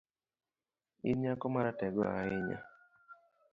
In nyako ma ratego ahinya